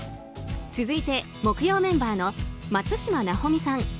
続いて、木曜メンバーの松嶋尚美さん